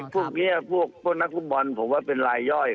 พวกนี้พวกนักฟุตบอลผมว่าเป็นรายย่อย